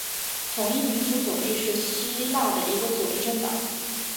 统一民主左翼是希腊的一个左翼政党。